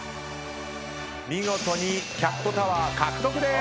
見事にキャットタワー獲得でーす！